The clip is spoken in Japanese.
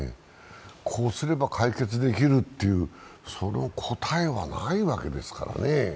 こうすれば解決できるという、その答えはないわけですからね。